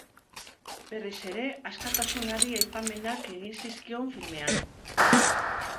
Berriz ere askatasunari aipamenak egin zizkion filmean.